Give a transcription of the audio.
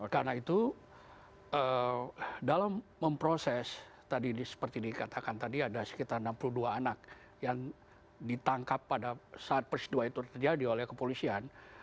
karena itu dalam memproses tadi seperti dikatakan tadi ada sekitar enam puluh dua anak yang ditangkap pada saat peristiwa itu terjadi oleh kepolisian